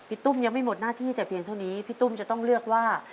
ตุ้มยังไม่หมดหน้าที่แต่เพียงเท่านี้พี่ตุ้มจะต้องเลือกว่า